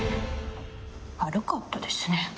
悪かったですね。